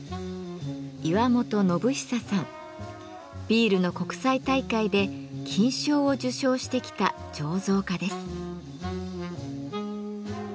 ビールの国際大会で金賞を受賞してきた醸造家です。